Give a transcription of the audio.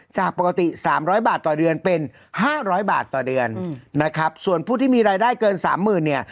จากปกติสามร้อยบาทต่อเดือนเป็น๕๐๐บาทต่อเดือนนะครับส่วนผู้ที่มีรายได้เกินสามหมื่นเนี่ย